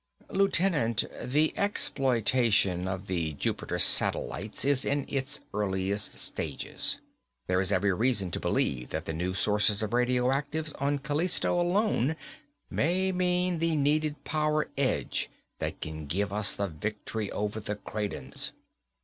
"Lieutenant, the exploitation of the Jupiter satellites is in its earliest stages. There is every reason to believe that the new sources of radioactives on Callisto alone may mean the needed power edge that can give us the victory over the Kradens.